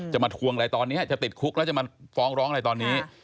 มาทวงอะไรตอนนี้จะติดคุกแล้วจะมาฟ้องร้องอะไรตอนนี้